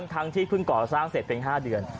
ทั้งที่เพิ่งก่อสร้างเสร็จเป็น๕เดือน